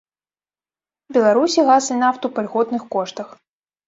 Беларусі газ і нафту па льготных коштах.